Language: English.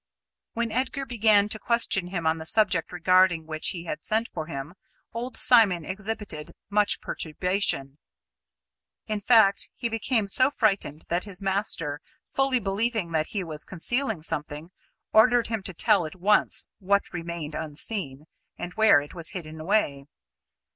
When Edgar began to question him on the subject regarding which he had sent for him, old Simon exhibited much perturbation. In fact, he became so frightened that his master, fully believing that he was concealing something, ordered him to tell at once what remained unseen, and where it was hidden away.